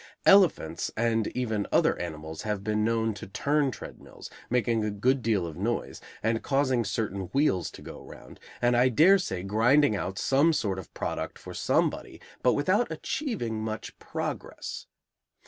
Elephants and even other animals have been known to turn treadmills, making a good deal of noise, and causing certain wheels to go round, and I daresay grinding out some sort of product for somebody, but without achieving much progress.